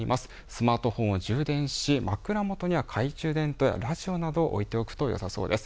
スマートフォンを充電し枕元には懐中電灯やラジオなどを置いておくとよさそうです。